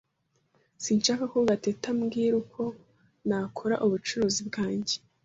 Sinshaka ko Gatete ambwira uko nakora ubucuruzi bwanjye.